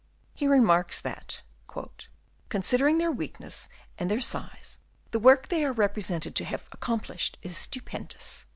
He remarks that "considering their weakness and their " size, the work they are represented to " have accomplished is stupendous."